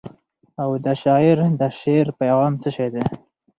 او د شاعر د شعر پیغام څه شی دی؟.